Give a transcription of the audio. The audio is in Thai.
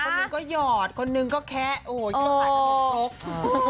คนนึงก็หยอดคนนึงก็แค้โอ้ยทุก